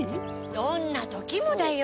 どんな時もだよ！